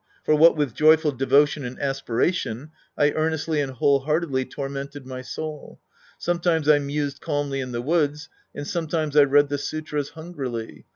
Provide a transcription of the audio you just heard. For what with youthful devotion and aspiration, I earnestly and whole heartedly tormented my soul. Sometimes I mused calmly in the woods, and sometimes I read the sutras hungrily.